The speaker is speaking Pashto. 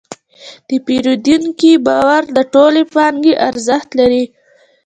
د پیرودونکي باور د ټولې پانګې ارزښت لري.